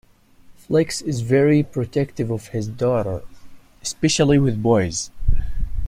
Flex is very protective of his daughter, especially with boys.